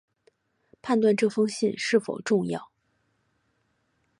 判断这封信是否重要